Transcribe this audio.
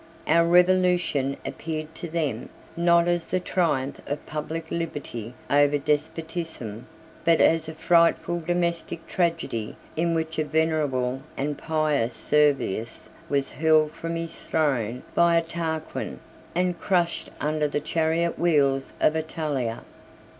Our revolution appeared to them, not as the triumph of public liberty over despotism, but as a frightful domestic tragedy in which a venerable and pious Servius was hurled from his throne by a Tarquin, and crushed under the chariot wheels of a Tullia.